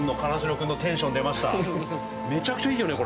めちゃくちゃいいよね？